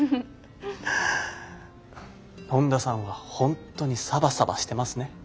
本田さんは本当にサバサバしてますね。